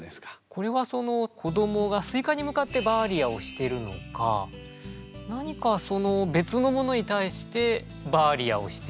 これは子どもが「スイカ」に向かって「バーリア」をしてるのか何か別のものに対して「バーリア」をしていて。